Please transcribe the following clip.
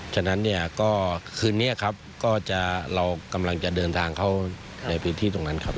ฉะนั้นเนี่ยก็คืนนี้ครับก็จะเรากำลังจะเดินทางเข้าในพื้นที่ตรงนั้นครับ